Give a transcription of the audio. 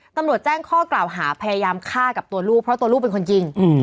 ตำรวจแจ้งข้อกล่าวหาพยายามฆ่ากับตัวลูกเพราะตัวลูกเป็นคนยิง